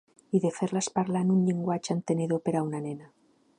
I de fer-les parlar en un llenguatge entenedor per a una nena.